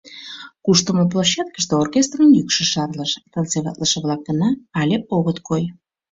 Куштымо площадкыште оркестрын йӱкшӧ шарлыш, танцеватлыше-влак гына але огыт кой.